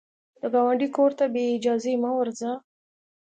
د ګاونډي کور ته بې اجازې مه ورځه